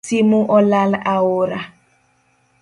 Simu olal aora